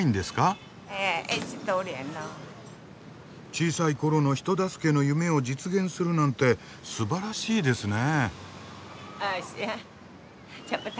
小さい頃の人助けの夢を実現するなんてすばらしいですね。